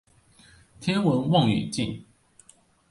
天文望遠鏡